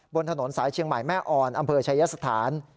บนถนนสายเชียงใหม่แม่อ่อนอำเภอชายสถาน